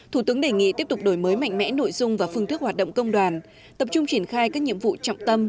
thủ tướng đề nghị tiếp tục đổi mới mạnh mẽ nội dung và phương thức hoạt động công đoàn tập trung triển khai các nhiệm vụ trọng tâm